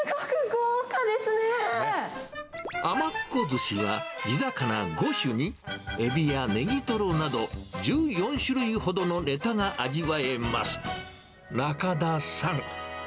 海女っ子寿司は、地魚５種に、エビやネギトロなど１４種類ほどのネタが味わえます。